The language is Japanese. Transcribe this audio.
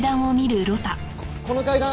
この階段